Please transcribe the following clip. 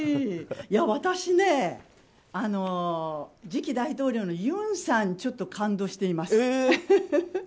私ね、次期大統領の尹さんにちょっと感動しています。